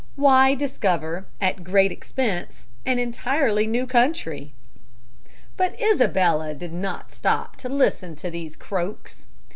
Why discover, at great expense, an entirely new country? But Isabella did not stop to listen to these croaks.